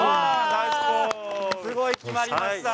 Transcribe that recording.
すごい、決まりました。